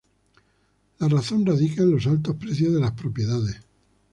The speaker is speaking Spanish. La razón radica en los altos precios de las propiedades.